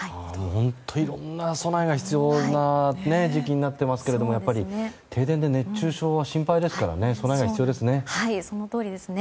いろいろな備えが必要な時期になっていますがやっぱり停電で熱中症は心配ですから備えが必要ですね。